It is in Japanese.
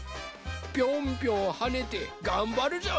ピョンピョンはねてがんばるぞい！